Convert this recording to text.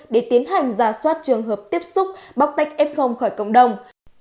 để tiến hành giả soát trường hợp tiếp xúc bóc tách f khỏi cộng đồng